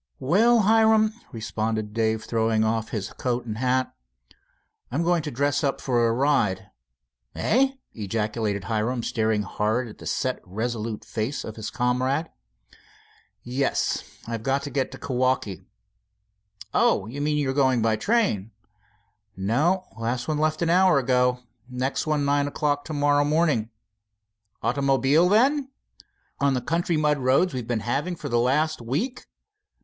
"Well, Hiram," responded Dave, throwing off his coat and hat, "I'm going to dress up for a ride." "Eh?" ejaculated Hiram, staring hard at the set resolute face of his comrade. "Yes, I've got to get to Kewaukee." "Oh, you mean going by train?" "No. Last one left an hour ago. Next one nine o clock to morrow morning." "Automobile, then?" "On the country mud roads we've been having for the last week?"